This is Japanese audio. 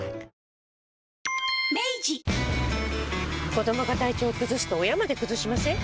子どもが体調崩すと親まで崩しません？